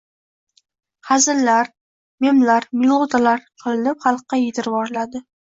hazillar, memlar, «milota»lar qilinib xalqqa yedirvoriladi.